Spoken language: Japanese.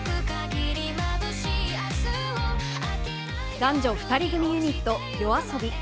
男女２人組ユニット、ＹＯＡＳＯＢＩ。